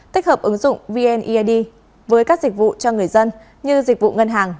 tích hợp ứng dụng vneid với các dịch vụ cho người dân như dịch vụ ngân hàng